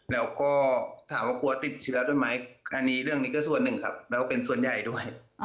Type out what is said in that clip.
แล้วก็ถามว่ากลัวติดเชื้อด้วยไหมอันนี้เรื่องนี้ก็ส่วนหนึ่งครับแล้วก็เป็นส่วนใหญ่ด้วย